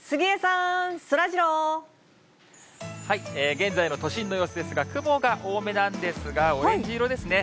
現在の都心の様子ですが、雲が多めなんですが、オレンジ色ですね。